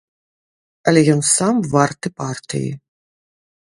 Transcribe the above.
Але ён сам варты партыі.